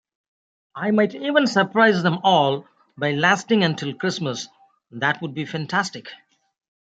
I might even surprise them all by lasting until Christmas, that would be fantastic.